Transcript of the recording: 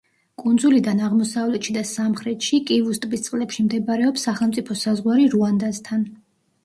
კუნძულიდან აღმოსავლეთში და სამხრეთში, კივუს ტბის წყლებში მდებარეობს სახელმწიფო საზღვარი რუანდასთან.